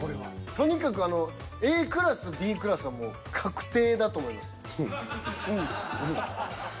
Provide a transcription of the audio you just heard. とにかくＡクラスＢクラスはもう確定だと思います。